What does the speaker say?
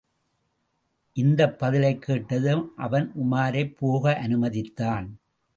இந்தப் பதிலைக் கேட்டதும், அவன் உமாரைப் போக அனுமதித்தான்.